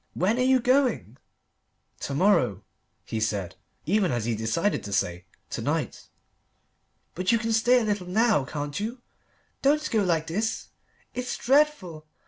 When are you going?" "To morrow," he said, even as he decided to say, "to night." "But you can stay a little now, can't you? Don't go like this. It's dreadful.